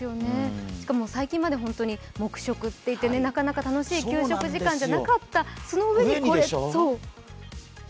しかも最近まで黙食っていってなかなか楽しい給食時間じゃなかった、そのうえにこれ。